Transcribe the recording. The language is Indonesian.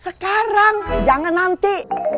sekarang jangan nanti